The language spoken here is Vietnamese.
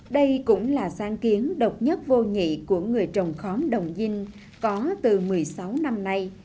đây cũng là sáng kiến độc nhất vô nhị của người trồng khóm đồng dinh có từ một mươi sáu năm nay